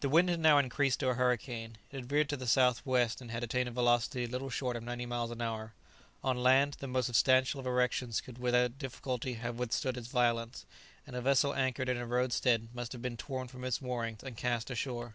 The wind had now increased to a hurricane; it had veered to the south west, and had attained a velocity little short of ninety miles an hour. On land, the most substantial of erections could with difficulty have withstood its violence, and a vessel anchored in a roadstead must have been torn from its moorings and cast ashore.